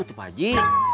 atuh pak haji